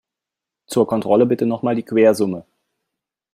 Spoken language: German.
Zur Kontrolle bitte noch mal die Quersumme.